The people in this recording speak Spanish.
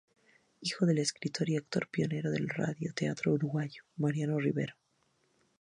Hijo del escritor y actor pionero del radio teatro uruguayo: Mario Rivero.